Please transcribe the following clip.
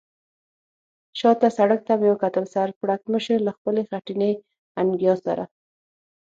شا ته سړک ته مې وکتل، سر پړکمشر له خپلې خټینې انګیا سره.